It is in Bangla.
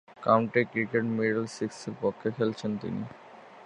কাউন্টি ক্রিকেটে মিডলসেক্সের পক্ষে খেলছেন তিনি।